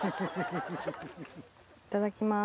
いただきます。